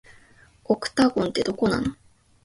オクタゴンって、どこなの